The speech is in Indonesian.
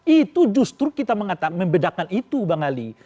itu justru kita mengatakan membedakan itu bang ali